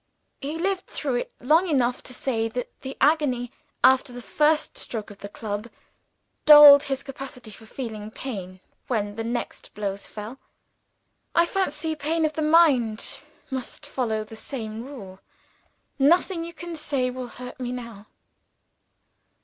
He lived through it long enough to say that the agony, after the first stroke of the club, dulled his capacity for feeling pain when the next blows fell. I fancy pain of the mind must follow the same rule. Nothing you can say will hurt me now."